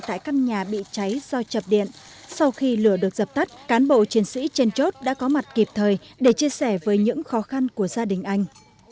tại căn nhà bị cháy do chập điện sau khi lửa được dập tắt cán bộ chiến sĩ trên chốt đã có mặt kịp thời để chia sẻ với những khó khăn của gia đình anh